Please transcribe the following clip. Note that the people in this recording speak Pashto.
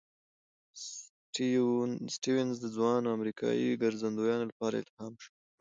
سټيونز د ځوانو امریکايي ګرځندویانو لپاره الهام شو.